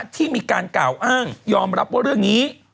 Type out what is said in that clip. ที่มีการกล่าวอ้างยอมรับว่าเรื่องนี้